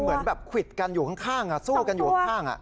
เหมือนแบบควิดกันอยู่ข้างสู้กันอยู่ข้าง